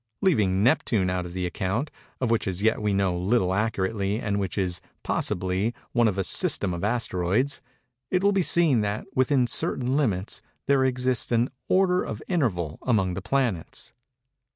Leaving Neptune out of the account—of which as yet we know little accurately and which is, possibly, one of a system of Asteroids—it will be seen that, within certain limits, there exists an order of interval among the planets.